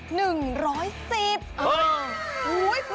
เฮ่ยโอ๊ยคุณลงคุณมูลค่าดิ